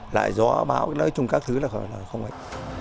lại gió bão nói chung các thứ là không được